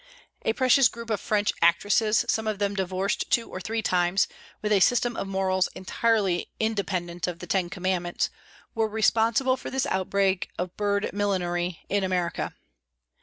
A precious group of French actresses, some of them divorced two or three times, with a system of morals entirely independent of the ten commandments, were responsible for this outbreak of bird millinery in America.